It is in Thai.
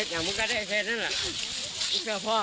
ช่วยมีศรีสกังงั้น